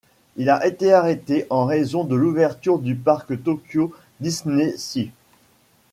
Il a été arrêté en raison de l'ouverture du parc Tokyo DisneySea.